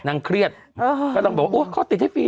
นางเครียดก็ต้องบอกว่าเขาติดให้ฟรี